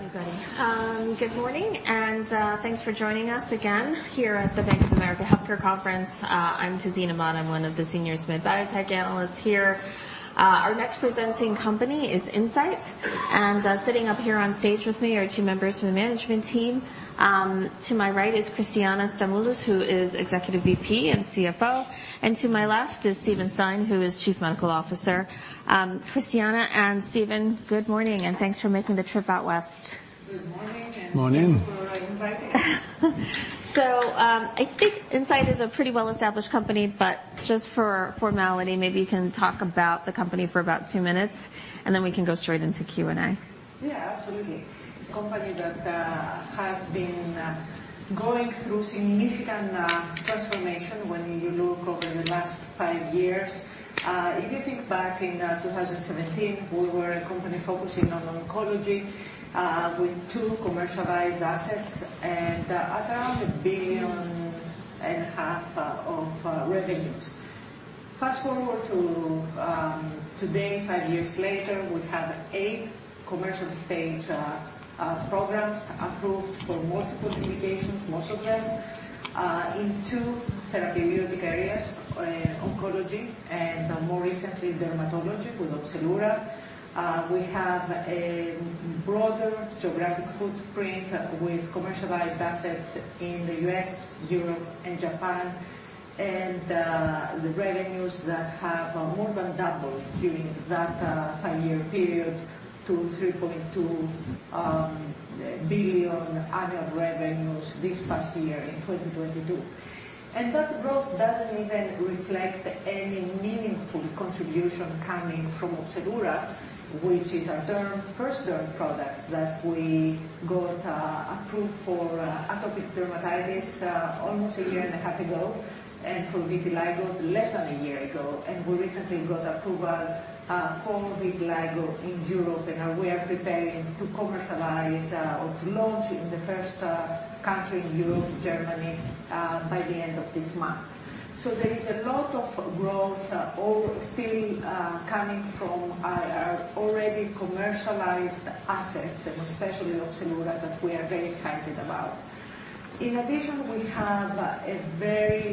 Everybody. Good morning and thanks for joining us again here at the Bank of America Healthcare Conference. I'm Tazeen Ahmad, I'm one of the senior SMID Biotech analysts here. Our next presenting company is Incyte. Sitting up here on stage with me are two members from the management team. To my right is Christiana Stamoulis, who is Executive VP and CFO. To my left is Steven Stein, who is Chief Medical Officer. Christiana and Steven, good morning and thanks for making the trip out west. Good morning. Morning. Thank you for inviting us. I think Incyte is a pretty well-established company, but just for formality, maybe you can talk about the company for about two minutes, and then we can go straight into Q&A. Yeah, absolutely. It's a company that has been going through significant transformation when you look over the last five years. If you think back in 2017, we were a company focusing on oncology, with two commercialized assets and at around $1.5 billion of revenues. Fast-forward to today, five years later, we have eight commercial stage programs approved for multiple indications, most of them in two therapeutic areas, oncology and more recently dermatology with OPZELURA. We have a broader geographic footprint with commercialized assets in the U.S., Europe, and Japan. The revenues that have more than doubled during that five-year period to $3.2 billion annual revenues this past year in 2022. That growth doesn't even reflect any meaningful contribution coming from OPZELURA, which is our first term product that we got approved for atopic dermatitis almost a year and a half ago, and for vitiligo less than a year ago. We recently got approval for vitiligo in Europe, and now we are preparing to commercialize or to launch in the first country in Europe, Germany, by the end of this month. There is a lot of growth all still coming from our already commercialized assets, and especially OPZELURA, that we are very excited about. In addition, we have a very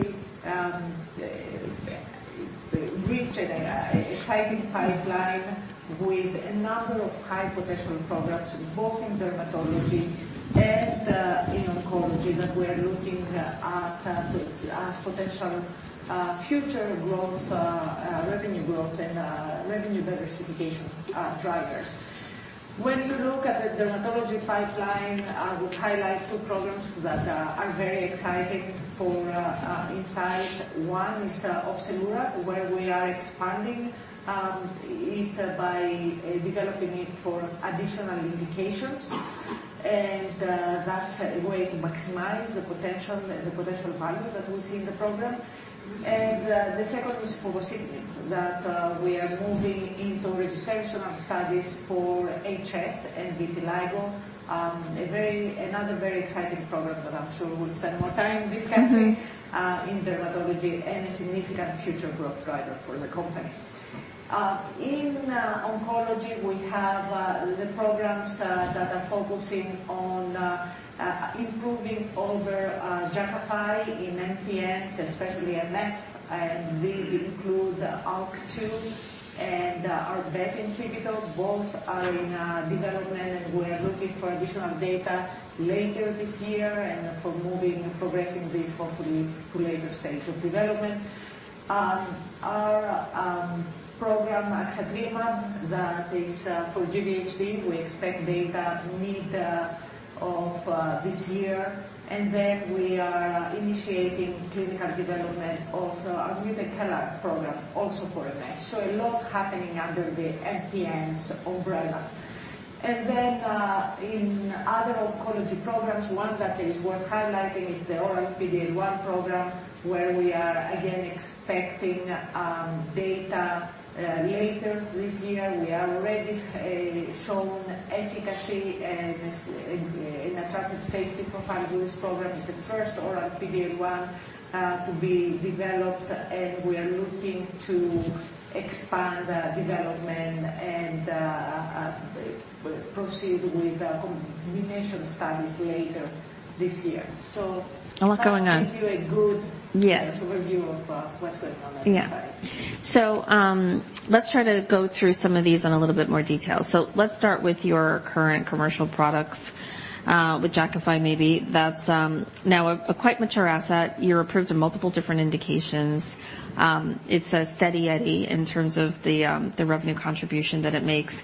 rich and exciting pipeline with a number of high potential products, both in dermatology and in oncology, that we're looking at as potential future growth, revenue growth and revenue diversification drivers. When you look at the dermatology pipeline, I would highlight two programs that are very exciting for Incyte. One is OPZELURA, where we are expanding it by developing it for additional indications. That's a way to maximize the potential value that we see in the program. The second is povorcitinib, that we are moving into registration studies for HS and vitiligo. Another very exciting program that I'm sure we'll spend more time discussing in dermatology and a significant future growth driver for the company. In oncology, we have the programs that are focusing on improving over Jakafi in MPNs, especially MF, and these include ALK2 and our BET inhibitor. Both are in development, and we are looking for additional data later this year and for moving, progressing these hopefully to later stage of development. Our program axatilimab, that is for GVHD, we expect data mid of this year. We are initiating clinical development of our mutCALR program also for MF. A lot happening under the MPNs umbrella. In other oncology programs, one that is worth highlighting is the oral PD-L1 program, where we are again expecting data later this year. We have already shown efficacy and an attractive safety profile. This program is the first oral PD-L1, to be developed, and we are looking to expand, development and, proceed with the combination studies later this year. A lot going on. That gives you a good- Yeah. Summary view of what's going on at Incyte. Let's try to go through some of these in a little bit more detail. Let's start with your current commercial products, with Jakafi maybe. That's now a quite mature asset. You're approved on multiple different indications. It's a steady eddy in terms of the revenue contribution that it makes.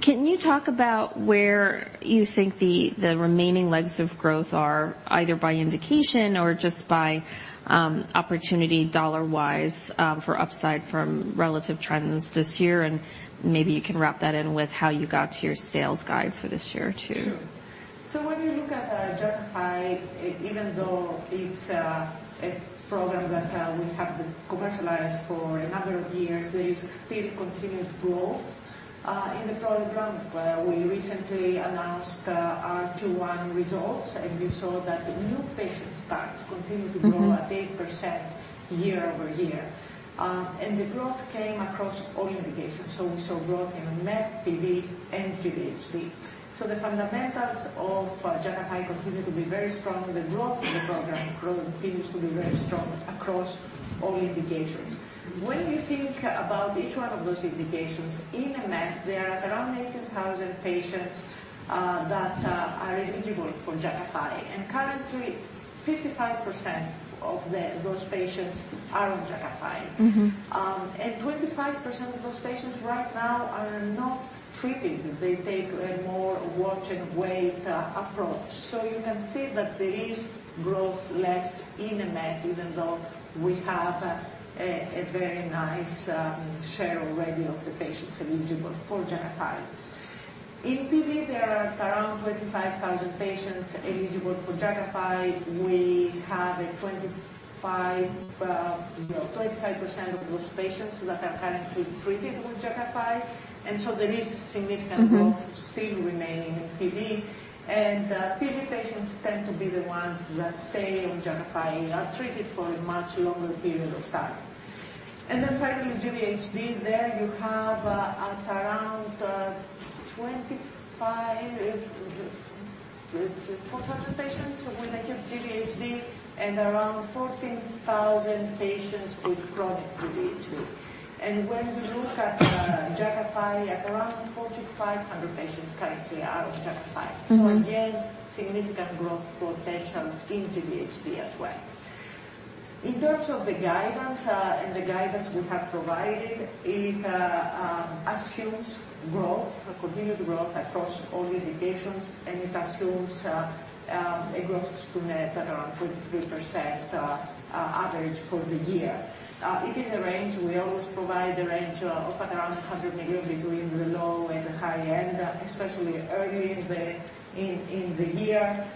Can you talk about where you think the remaining legs of growth are, either by indication or just by opportunity dollar-wise, for upside from relative trends this year, and maybe you can wrap that in with how you got to your sales guide for this year too? Sure. When you look at Jakafi, even though it's a program that we have commercialized for a number of years, there is still continued growth in the product ramp, where we recently announced our Q1 results, you saw that the new patient starts continue to grow. Mm-hmm. at 8% year-over-year. The growth came across all indications. We saw growth in MF, PV, and ET. The fundamentals of Jakafi continue to be very strong. The growth in the program growth continues to be very strong across all indications. When you think about each one of those indications, in MF, there are around 18,000 patients that are eligible for Jakafi, and currently 55% of those patients are on Jakafi. Mm-hmm. 25% of those patients right now are not treated. They take a more watch and wait approach. You can see that there is growth left in MF, even though we have a very nice share already of the patients eligible for Jakafi. In PV, there are around 25,000 patients eligible for Jakafi. We have a you know, 25% of those patients that are currently treated with Jakafi, there is significant- Mm-hmm. -growth still remaining in PV. PV patients tend to be the ones that stay on Jakafi and are treated for a much longer period of time. Finally, ET, there you have, at around 4,000 patients with active ET, and around 14,000 patients with chronic ET. When we look at Jakafi, at around 4,500 patients currently are on Jakafi. Mm-hmm. Again, significant growth potential in ET as well. In terms of the guidance, and the guidance we have provided, it assumes growth, a continued growth across all indications, and it assumes a growth to net at around 23% average for the year. It is a range. We always provide a range of at around $100 million between the low and the high end, especially early in the year.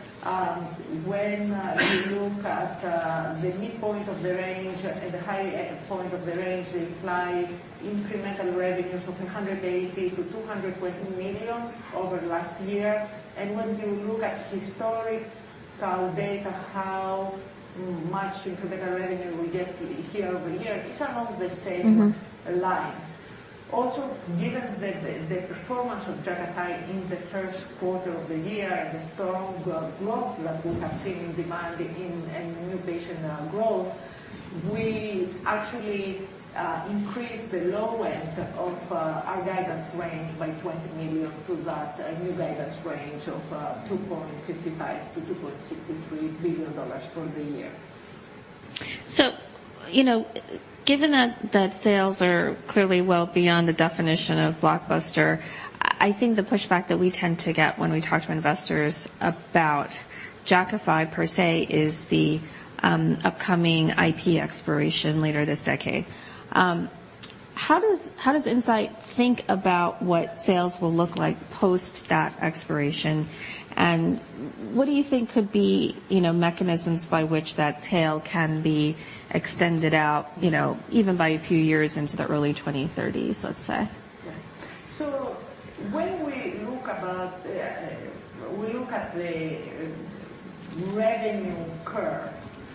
When you look at the midpoint of the range and the high point of the range, they imply incremental revenues of $180 million-$220 million over last year. When you look at historical data, how much incremental revenue we get year-over-year, it's along the same. Mm-hmm. -lines. Given the performance of Jakafi in the first quarter of the year and the strong growth that we have seen in demand in new patient growth, we actually increased the low end of our guidance range by $20 million to that new guidance range of $2.55 billion-$2.63 billion for the year. you know, given that sales are clearly well beyond the definition of blockbuster, I think the pushback that we tend to get when we talk to investors about Jakafi per se is the upcoming IP expiration later this decade. How does Incyte think about what sales will look like post that expiration? And what do you think could be, you know, mechanisms by which that tail can be extended out, you know, even by a few years into the early twenty-thirties, let's say? When we look at the revenue curve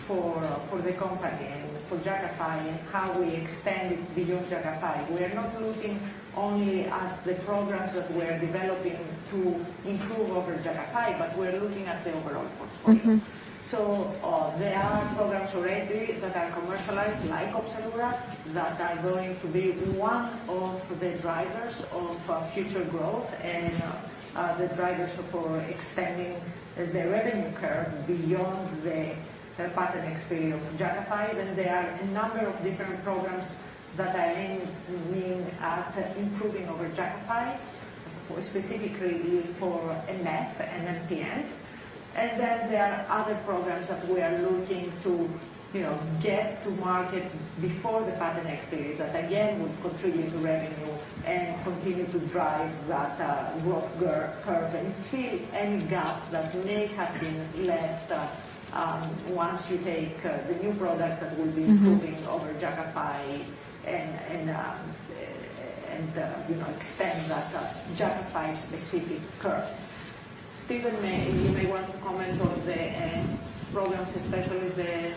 for the company and for Jakafi and how we extend beyond Jakafi, we're not looking only at the programs that we're developing to improve over Jakafi, but we're looking at the overall portfolio. Mm-hmm. There are programs already that are commercialized, like OPZELURA, that are going to be one of the drivers of future growth and the drivers for extending the revenue curve beyond the patent expiry of Jakafi. There are a number of different programs that are aimed at improving over Jakafi, for specifically for MF and MPNs. There are other programs that we are looking to, you know, get to market before the patent expiry that again, would contribute to revenue and continue to drive that growth curve and fill any gap that may have been left once you take the new product that will. Mm-hmm. -improving over Jakafi and, you know, extend that Jakafi specific curve. Stephen, you may want to comment on the programs, especially the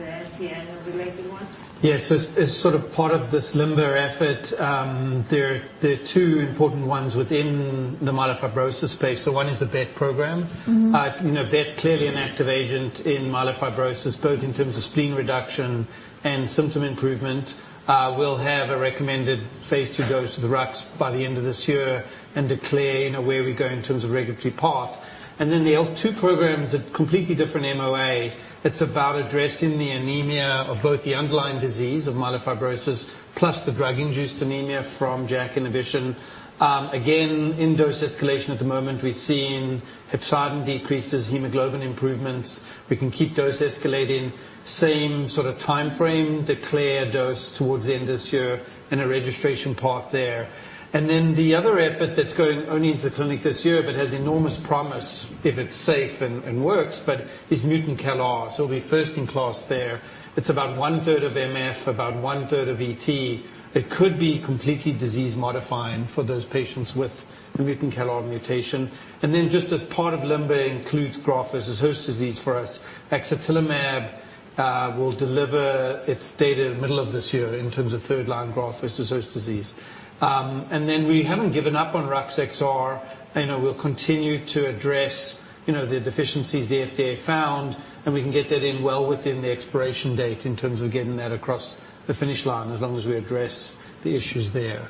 ATN-related ones. Yes. As sort of part of this LIMBER effort, there are 2 important ones within the myelofibrosis space. 1 is the BET program. Mm-hmm. you know BET clearly an active agent in myelofibrosis, both in terms of spleen reduction and symptom improvement. We'll have a recommended phase II dose at the RUX by the end of this year and declare, you know, where we go in terms of regulatory path. The ALK2 program is a completely different MOA. It's about addressing the anemia of both the underlying disease of myelofibrosis plus the drug-induced anemia from JAK inhibition. again, in dose escalation at the moment, we're seeing hepcidin decreases, hemoglobin improvements. We can keep dose escalating, same sort of timeframe, declare a dose towards the end of this year in a registration path there. The other effort that's going only into clinic this year, but has enormous promise if it's safe and works, but is mutant CALR. It'll be first-in-class there. It's about one-third of MF, about one-third of ET. It could be completely disease-modifying for those patients with the mutant KRAS mutation. Just as part of LIMBER includes graft-versus-host disease for us. axatilimab will deliver its data middle of this year in terms of third line graft-versus-host disease. We haven't given up on RUX. You know, we'll continue to address, you know, the deficiencies the FDA found, and we can get that in well within the expiration date in terms of getting that across the finish line as long as we address the issues there.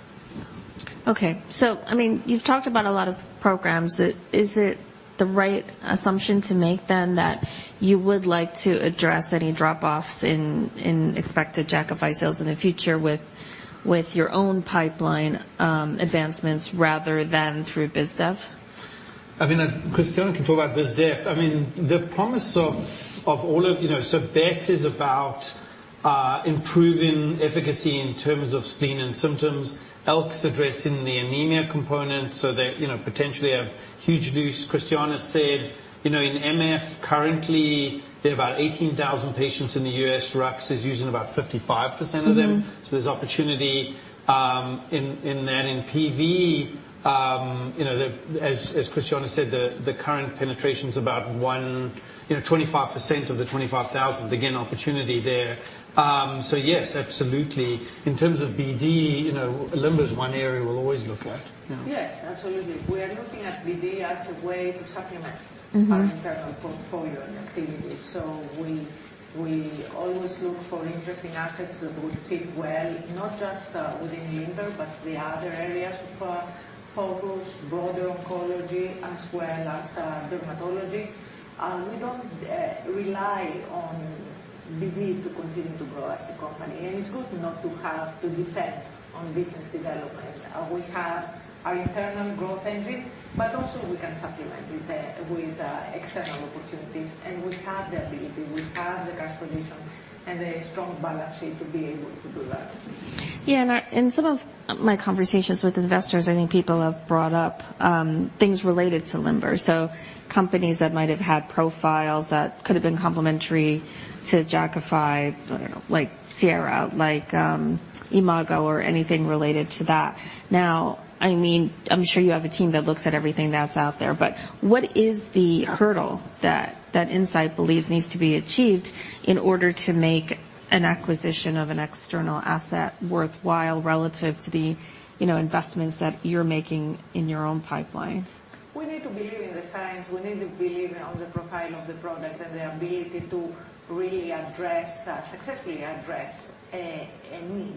Okay. I mean, you've talked about a lot of programs. Is it the right assumption to make then that you would like to address any drop-offs in expected Jakafi sales in the future with your own pipeline advancements rather than through biz dev? I mean, Christiana can talk about biz dev. I mean, the promise of all of, you know, BET is about improving efficacy in terms of spleen and symptoms. ALK's addressing the anemia component, so they, you know, potentially a huge deuce. Christiana said, you know, in MF, currently, there are about 18,000 patients in the U.S. RUX is using about 55% of them. Mm-hmm. There's opportunity in that. In PV, you know, as Christiana said, the current penetration's about 25% of the 25,000. Again, opportunity there. Yes, absolutely. In terms of BD, you know, LIMBER is one area we'll always look at. Yeah. Yes, absolutely. We are looking at BD as a way to supplement- Mm-hmm our internal portfolio and activities. We always look for interesting assets that will fit well, not just within LIMBER, but the other areas of focus, broader oncology, as well as dermatology. We don't rely on BD to continue to grow as a company. It's good not to have to depend on business development. We have our internal growth engine, but also we can supplement with external opportunities. We have the ability, we have the cash position and the strong balance sheet to be able to do that. Yeah. In some of my conversations with investors, I think people have brought up things related to LIMBER. Companies that might have had profiles that could have been complementary to Jakafi, I don't know, like Sierra, like Imago or anything related to that. I mean, I'm sure you have a team that looks at everything that's out there, but what is the hurdle that Incyte believes needs to be achieved in order to make an acquisition of an external asset worthwhile relative to the, you know, investments that you're making in your own pipeline? We need to believe in the science. We need to believe on the profile of the product and the ability to really address, successfully address a need.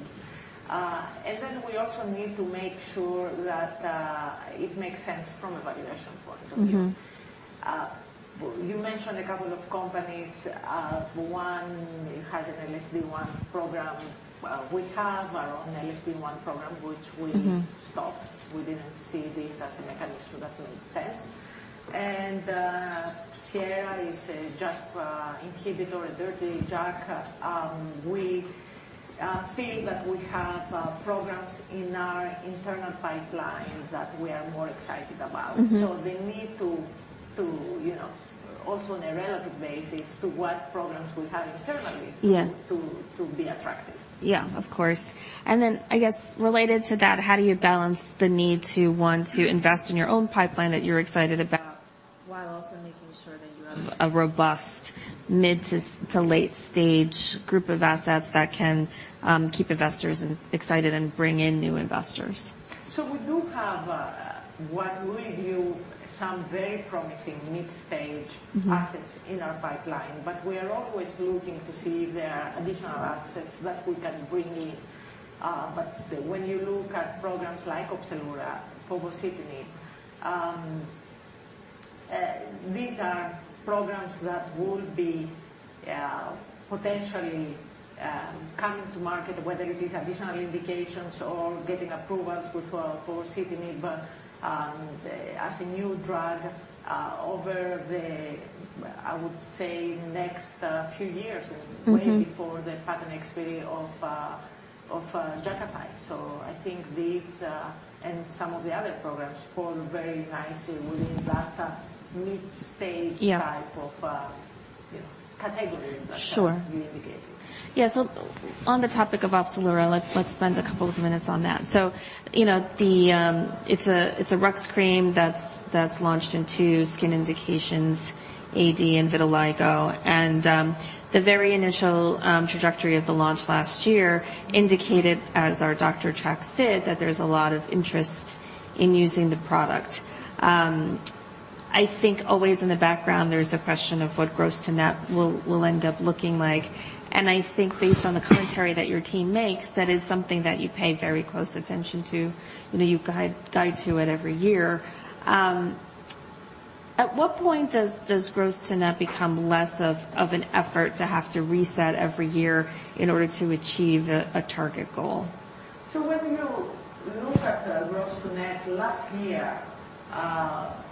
Then we also need to make sure that it makes sense from a valuation point of view. Mm-hmm. You mentioned a couple of companies. One has an LSD1 program. We have our own LSD1 program. Mm-hmm stopped. We didn't see this as a mechanism that made sense. Sierra is a JAK inhibitor, a dirty JAK. We feel that we have programs in our internal pipeline that we are more excited about. Mm-hmm. they need to, you know, also on a relative basis to what programs we have internally- Yeah to be attractive. Yeah. Of course. I guess related to that, how do you balance the need to want to invest in your own pipeline that you're excited about while also making sure that you have a robust mid to late stage group of assets that can keep investors excited and bring in new investors? we do have, what we view some very promising mid-stage- Mm-hmm -assets in our pipeline, but we are always looking to see if there are additional assets that we can bring in. When you look at programs like OPZELURA, povorcitinib, these are programs that would be potentially coming to market, whether it is additional indications or getting approvals with povorcitinib, but as a new drug, over the, I would say, next few years. Mm-hmm -way before the patent expiry of, Jakafi. I think these, and some of the other programs fall very nicely within that, mid-stage- Yeah type of, you know, category that- Sure you indicated. Yeah. On the topic of OPZELURA, let's spend a couple of minutes on that. You know, the, it's a RUX cream that's launched in two skin indications, AD and vitiligo. The very initial trajectory of the launch last year indicated, as our doctor check said, that there's a lot of interest in using the product. I think always in the background, there's a question of what gross to net will end up looking like. I think based on the commentary that your team makes, that is something that you pay very close attention to. You know, you guide to it every year. At what point does gross to net become less of an effort to have to reset every year in order to achieve a target goal? When you look at, gross to net last year,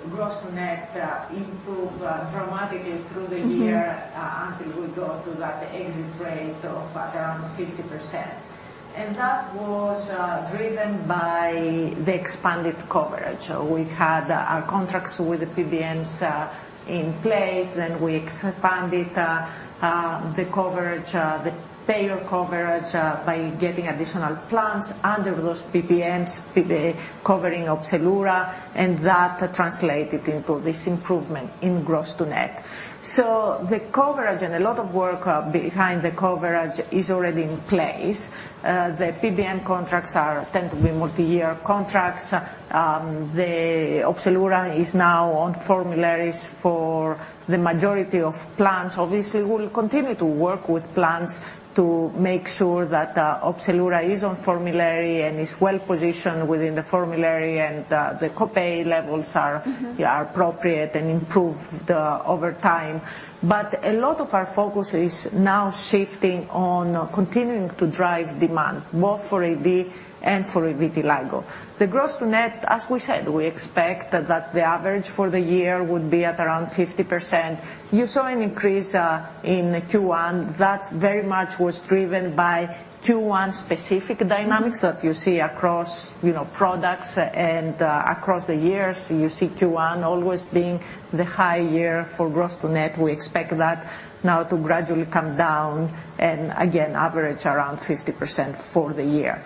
gross to net improved dramatically through the year. Mm-hmm Until we got to that exit rate of 50%. That was driven by the expanded coverage. We had our contracts with the PBMs in place, then we expanded the coverage, the payer coverage, by getting additional plans under those PBMs covering OPZELURA, and that translated into this improvement in gross to net. The coverage and a lot of work behind the coverage is already in place. The PBM contracts are, tend to be multi-year contracts. The OPZELURA is now on formularies for the majority of plans. Obviously, we'll continue to work with plans to make sure that OPZELURA is on formulary and is well-positioned within the formulary, and the copay levels are. Mm-hmm Are appropriate and improved over time. A lot of our focus is now shifting on continuing to drive demand, both for AD and for vitiligo. The gross to net, as we said, we expect that the average for the year would be at around 50%. You saw an increase in Q1. That very much was driven by Q1 specific dynamics that you see across, you know, products and across the years. You see Q1 always being the high year for gross to net. We expect that now to gradually come down and again, average around 50% for the year.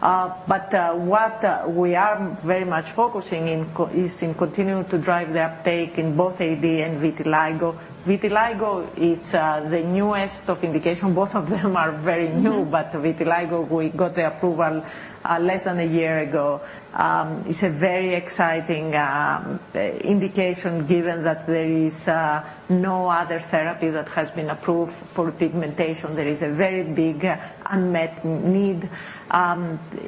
What we are very much focusing is in continuing to drive the uptake in both AD and vitiligo. Vitiligo, it's the newest of indication. Both of them are very new. Mm-hmm. Vitiligo, we got the approval, less than a year ago. It's a very exciting indication given that there is no other therapy that has been approved for repigmentation. There is a very big unmet need.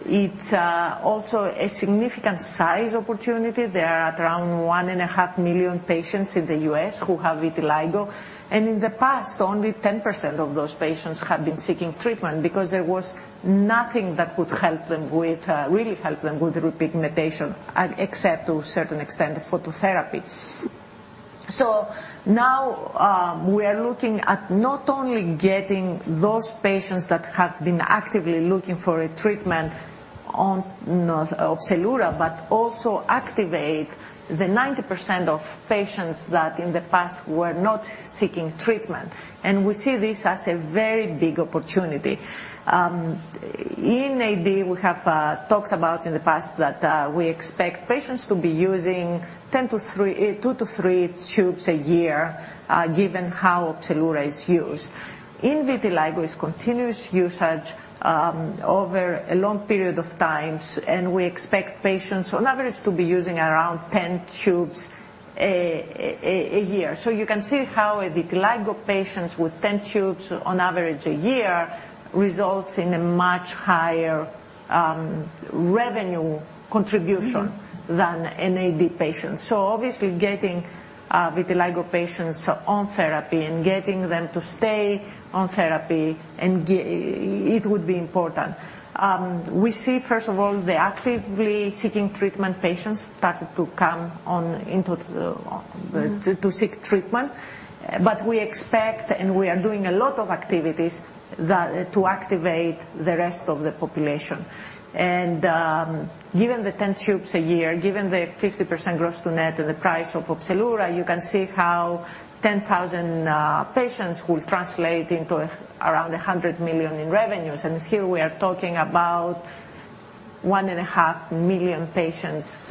It's also a significant size opportunity. There are around 1.5 million patients in the US who have vitiligo. In the past, only 10% of those patients have been seeking treatment because there was nothing that would really help them with repigmentation, except to a certain extent, phototherapy. Now, we are looking at not only getting those patients that have been actively looking for a treatment on OPZELURA but also activate the 90% of patients that in the past were not seeking treatment. We see this as a very big opportunity. In AD, we have talked about in the past that we expect patients to be using two to three tubes a year, given how OPZELURA is used. In vitiligo, it's continuous usage over a long period of times, and we expect patients on average to be using around 10 tubes a year. You can see how vitiligo patients with 10 tubes on average a year results in a much higher revenue contribution. Mm-hmm Than an AD patient. Obviously, getting, vitiligo patients on therapy and getting them to stay on therapy and it would be important. We see, first of all, the actively seeking treatment patients started to come on into the. Mm-hmm To seek treatment. We expect, and we are doing a lot of activities that, to activate the rest of the population. Given the 10 tubes a year, given the 50% gross to net and the price of OPZELURA, you can see how 10,000 patients will translate into around $100 million in revenues. Here we are talking about 1.5 million patients.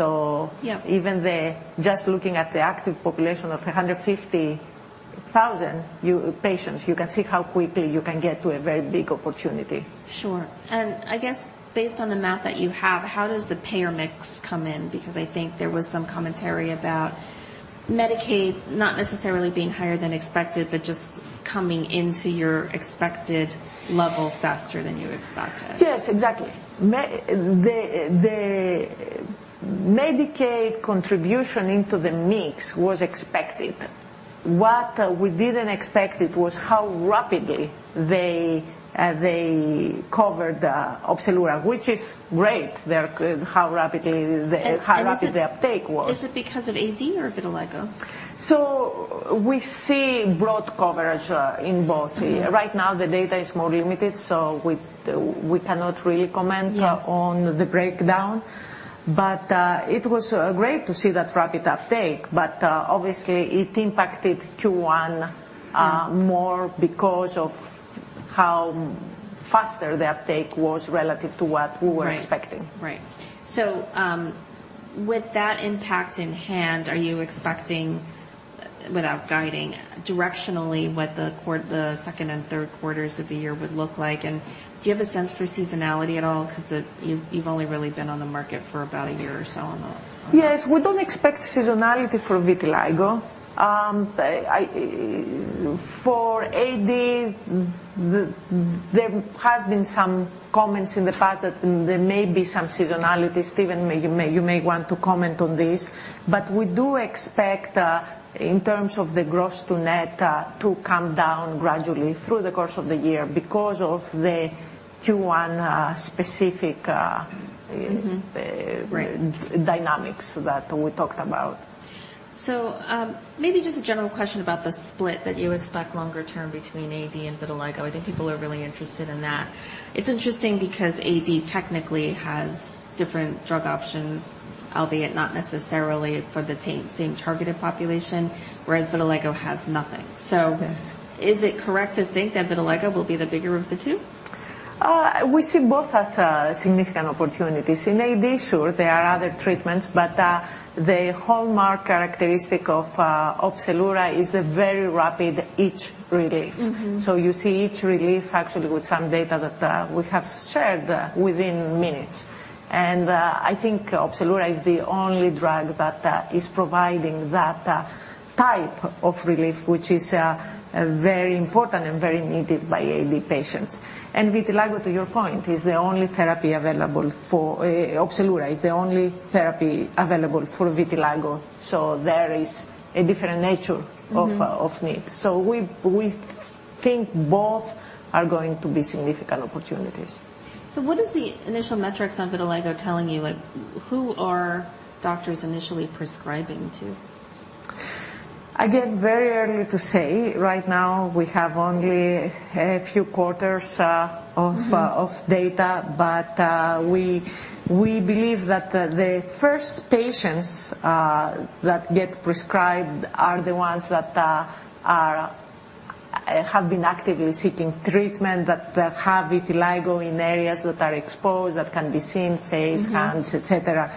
Yeah Even the, just looking at the active population of 150,000 patients, you can see how quickly you can get to a very big opportunity. Sure. I guess based on the math that you have, how does the payer mix come in? I think there was some commentary about Medicaid not necessarily being higher than expected, but just coming into your expected level faster than you expected. Yes, exactly. The Medicaid contribution into the mix was expected. What we didn't expect, it was how rapidly they covered OPZELURA, which is great. Is it? How rapid the uptake was. Is it because of AD or vitiligo? We see broad coverage in both. Mm-hmm. Right now, the data is more limited, so we cannot really comment. Yeah On the breakdown. It was great to see that rapid uptake. Obviously, it impacted Q1. Yeah More because of how faster the uptake was relative to what we were expecting. Right. Right. With that impact in hand, are you expecting, without guiding, directionally, what the second and third quarters of the year would look like? Do you have a sense for seasonality at all? because, you've only really been on the market for about one year or so on the. Yes. We don't expect seasonality for vitiligo. For AD, there has been some comments in the past that there may be some seasonality. Steven, you may want to comment on this. We do expect in terms of the gross to net to come down gradually through the course of the year because of the-To one, specific. Mm-hmm. Right. Dynamics that we talked about. Maybe just a general question about the split that you expect longer term between AD and vitiligo. I think people are really interested in that. It's interesting because AD technically has different drug options, albeit not necessarily for the same targeted population, whereas vitiligo has nothing. Yeah. Is it correct to think that vitiligo will be the bigger of the two? We see both as significant opportunities. In AD, sure, there are other treatments. The hallmark characteristic of OPZELURA is a very rapid itch relief. Mm-hmm. You see itch relief actually with some data that we have shared within minutes. I think OPZELURA is the only drug that is providing that type of relief, which is very important and very needed by AD patients. Vitiligo, to your point, is the only therapy available for OPZELURA is the only therapy available for vitiligo, so there is a different nature. Mm-hmm Of need. We think both are going to be significant opportunities. What is the initial metrics on vitiligo telling you? Like who are doctors initially prescribing to? Very early to say. Right now, we have only a few quarters of data. We believe that the first patients that get prescribed are the ones that have been actively seeking treatment, that have vitiligo in areas that are exposed, that can be seen, face. Mm-hmm Hands, et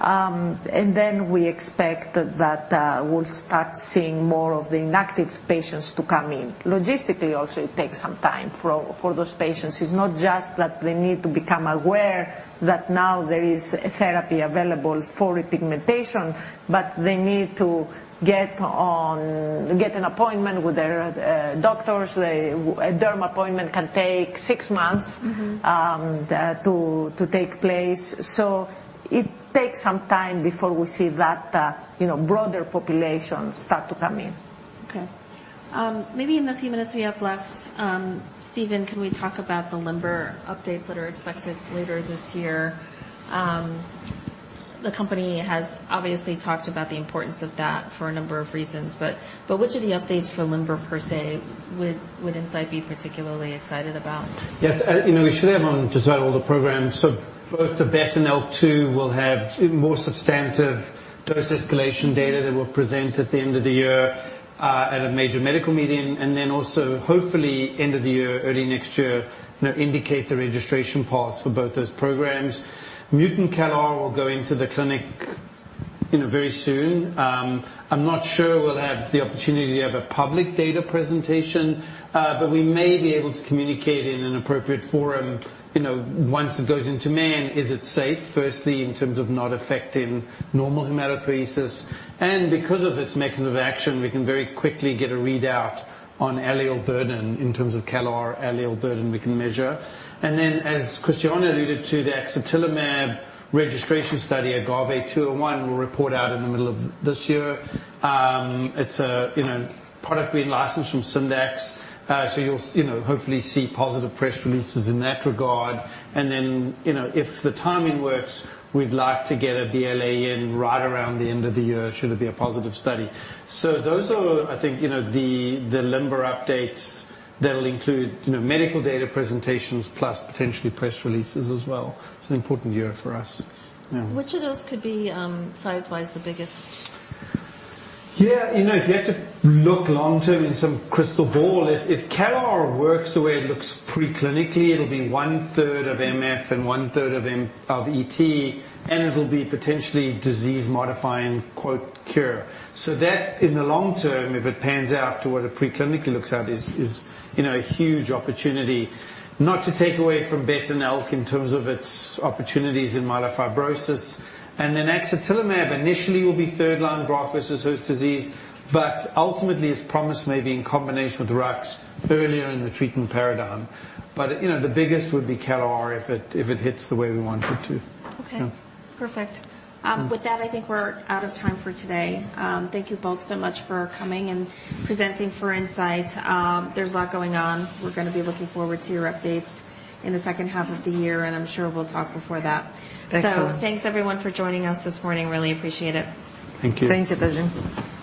cetera. We expect that we'll start seeing more of the inactive patients to come in. Logistically also it takes some time for those patients. It's not just that they need to become aware that now there is a therapy available for repigmentation, but they need to get an appointment with their doctors. A derm appointment can take six months. Mm-hmm to take place. It takes some time before we see that, you know, broader population start to come in. Maybe in the few minutes we have left, Steven, can we talk about the LIMBER updates that are expected later this year? The company has obviously talked about the importance of that for a number of reasons, but which of the updates for LIMBER per se would Incyte be particularly excited about? Yes. You know, we should have on just about all the programs. Both the BET and ALK2 will have more substantive dose escalation data that we'll present at the end of the year, at a major medical meeting, hopefully end of the year, early next year, you know, indicate the registration paths for both those programs. Mutant CALR will go into the clinic, you know, very soon. I'm not sure we'll have the opportunity to have a public data presentation, but we may be able to communicate in an appropriate forum, you know, once it goes into man, is it safe, firstly in terms of not affecting normal hematopoiesis. Because of its mechanism of action, we can very quickly get a readout on allele burden, in terms of CALR allele burden we can measure. As Christiana alluded to, the axatilimab registration study, AGAVE-201, will report out in the middle of this year. It's a, you know, product we licensed from Syndax, so you'll, you know, hopefully see positive press releases in that regard. You know, if the timing works, we'd like to get a BLA in right around the end of the year, should it be a positive study. Those are, I think, you know, the LIMBER updates that'll include, you know, medical data presentations plus potentially press releases as well. It's an important year for us. Yeah. Which of those could be, size-wise the biggest? Yeah. You know, if you had to look long term in some crystal ball, if CALR works the way it looks pre-clinically, it'll be one-third of MF and one-third of ET, and it'll be potentially disease-modifying quote cure. That, in the long term, if it pans out to what it pre-clinically looks at, is, you know, a huge opportunity. Not to take away from BET and ALK2 in terms of its opportunities in myelofibrosis. Axatilimab initially will be third line graft-versus-host disease, but ultimately its promise may be in combination with ROCK earlier in the treatment paradigm. You know, the biggest would be CALR if it hits the way we want it to. Okay. Yeah. Perfect. With that, I think we're out of time for today. Thank you both so much for coming and presenting for Incyte. There's a lot going on. We're gonna be looking forward to your updates in the second half of the year. I'm sure we'll talk before that. Thanks. Thanks everyone for joining us this morning. Really appreciate it. Thank you. Thank you, Tazeen.